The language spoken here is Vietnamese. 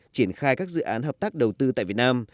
triển khai các dự án hợp tác đầu tư tại việt nam